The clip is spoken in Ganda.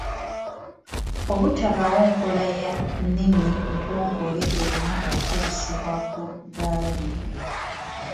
Obutabaawo nkola ya nnimi ntongole erina kukozesebwa ku ddaala lino.